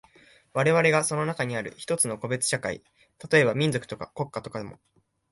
我々がその中にある一つの個別的社会、例えば民族とか国家とかも、